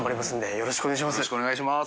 よろしくお願いします。